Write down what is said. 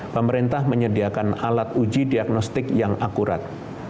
pemerintah menyediakan alat uji diagnostik yang akurat